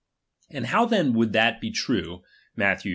And how then would that be true (Matth, xi.